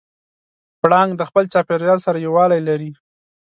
پړانګ د خپل چاپېریال سره یووالی لري.